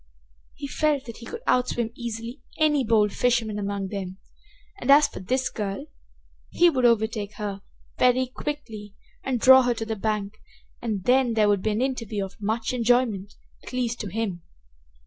He felt that he could outswim easily any bold fisherman among them, and as for this girl, he would overtake her very quickly and draw her to the bank, and then there would be an interview of much enjoyment, at least to him.